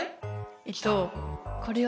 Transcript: えっとこれはさ